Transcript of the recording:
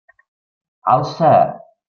Alça!